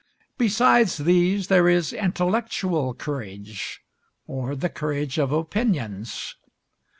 Besides these there is intellectual courage, or the courage of opinions.